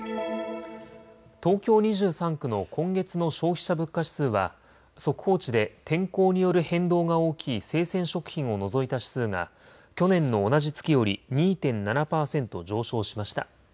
東京２３区の今月の消費者物価指数は速報値で天候による変動が大きい生鮮食品を除いた指数が去年の同じ月より２．７％上昇しました。